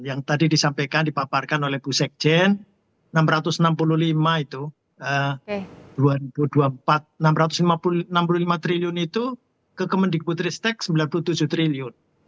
yang tadi disampaikan dipaparkan oleh bu sekjen rp enam ratus enam puluh lima triliun itu ke kemendikbudristek rp sembilan puluh tujuh triliun